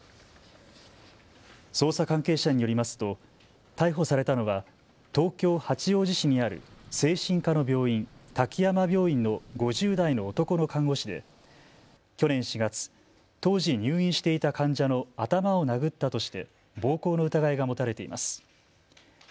捜査関係者によりますと逮捕されたのは東京八王子市にある精神科の病院、滝山病院の５０代の男の看護師で去年４月、当時入院していた患者の頭を殴ったとして暴行の疑いが持たれています。